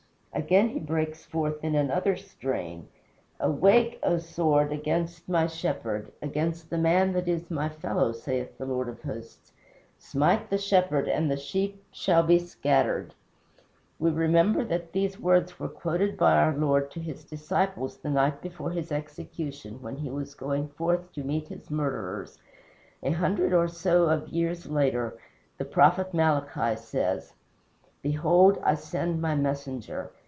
Again he breaks forth in another strain: "Awake, O sword, against my Shepherd, Against the man that is my fellow, saith the Lord of Hosts. Smite the Shepherd, And the sheep shall be scattered." We remember that these words were quoted by our Lord to his disciples the night before his execution, when he was going forth to meet his murderers. A hundred or so of years later, the prophet Malachi says: "Behold, I send my messenger.